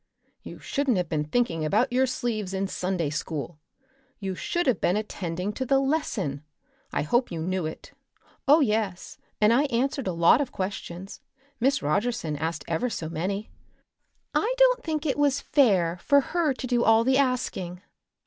"You shouldn't have been thinking about your sleeves in Sunday school. You should have been attending to the lesson. I hope you knew it." "Oh, yes; and I answered a lot of questions. Miss Rogerson asked ever so many. I don't think it was fair for her to do all the asking.